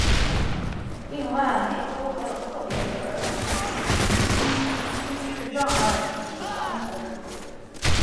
另外每周还有特别为儿童及心智障碍人士安排的聚会。